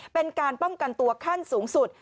เป็นการป้องกันตัวขั้นสูงสุด